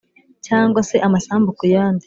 cyangwa se amasambu ku yandi,